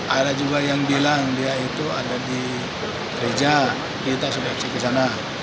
ada juga yang bilang dia itu ada di gereja kita sudah kesana